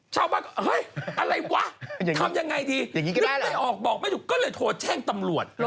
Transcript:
ชาวบ้านก็เฮ้ยอะไรวะทำยังไงดีนึกไม่ออกบอกไม่ถูกก็เลยโทรแจ้งตำรวจ